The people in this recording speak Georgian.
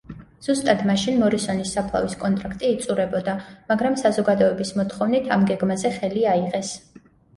ზუსტად მაშინ მორისონის საფლავის კონტრაქტი იწურებოდა, მაგრამ საზოგადოების მოთხოვნით, ამ გეგმაზე ხელი აიღეს.